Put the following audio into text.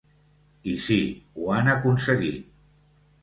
I sí, ho han aconseguit.